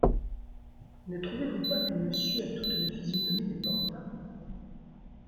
Ne trouvez-vous pas que monsieur a toute la physionomie des Porta ?